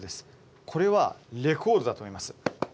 これはレコードだと思います。